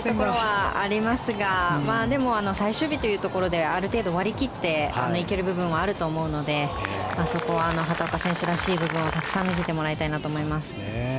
難しいところはありますが最終日というところである程度割り切っていける部分はあると思うのでそこは畑岡選手らしい部分をたくさん見せてもらいたいなと思います。